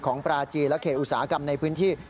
ปราจีนและเขตอุตสาหกรรมในพื้นที่